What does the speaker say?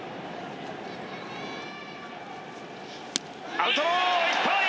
アウトローいっぱい！